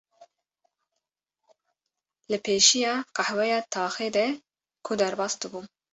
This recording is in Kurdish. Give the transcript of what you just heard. Li pêşiya qehweya taxê de ku derbas dibûm